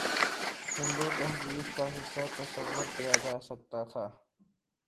ہندو تہذیب کا حصہ تصور کیا جاتا تھا